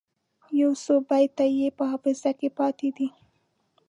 یو څو بیته یې په حافظه کې پاته دي.